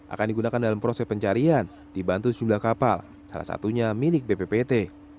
akan digunakan dalam proses pencarian dibantu sejumlah kapal salah satunya milik bppt